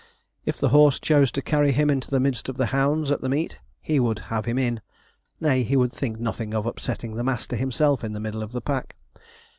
If the horse chose to carry him into the midst of the hounds at the meet, he would have him in nay, he would think nothing of upsetting the master himself in the middle of the pack.